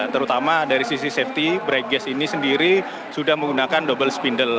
terutama dari sisi safety bright gas ini sendiri sudah menggunakan double spindel